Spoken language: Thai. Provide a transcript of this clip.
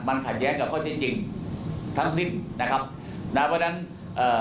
มันขัดแย้งกับข้อที่จริงทั้งสิ้นนะครับนะเพราะฉะนั้นเอ่อ